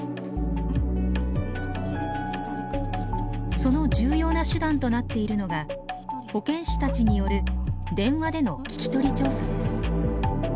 その重要な手段となっているのが保健師たちによる電話での聞き取り調査です。